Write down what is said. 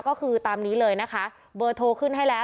ก็คือตามนี้เลยนะคะเบอร์โทรขึ้นให้แล้ว